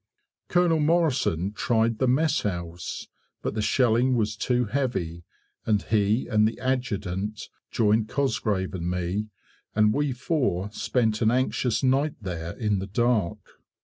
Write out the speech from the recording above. Col. Morrison tried the mess house, but the shelling was too heavy, and he and the adjutant joined Cosgrave and me, and we four spent an anxious night there in the dark.